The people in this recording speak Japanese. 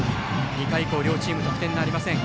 ２回以降、両チーム得点がありません。